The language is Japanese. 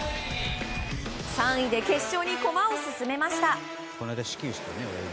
３位で決勝に駒を進めました。